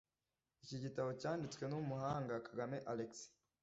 iki gitabo cyanditswe n’umuhanga Kagame Alexis,